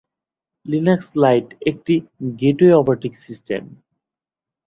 Linux Lite একটি 'gateway operating system'.